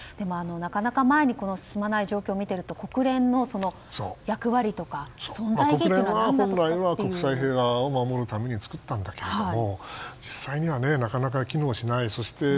なかなか前に進まない状況を見ていると国連の役割とか国連は本来国際平和を守るために作ったんだけど実際にはなかなか機能しない。